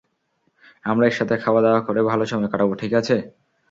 আমরা একসাথে খাওয়াদাওয়া করে ভালো সময় কাটাবো, ঠিক আছে?